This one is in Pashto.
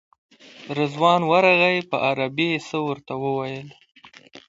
رضوان ورغی په عربي یې څه ورته وویل.